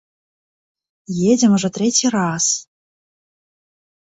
Едзем ужо трэці раз.